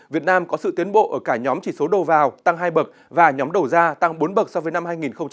việt nam có sự tiến bộ ở cả nhóm chỉ số đầu vào tăng hai bậc và nhóm đầu ra tăng bốn bậc so với năm hai nghìn một mươi